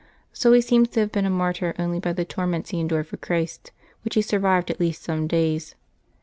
So he seems to have been a martyr only by the torments he endured for Christ, which he survived at least some days.